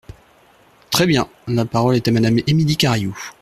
Très bien ! La parole est à Madame Émilie Cariou.